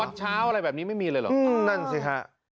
ตอนเช้าอะไรแบบนี้ไม่มีเลยเหรอนั่นสิฮะ